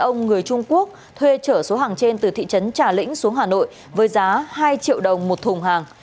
ông người trung quốc thuê trở số hàng trên từ thị trấn trà lĩnh xuống hà nội với giá hai triệu đồng một thùng hàng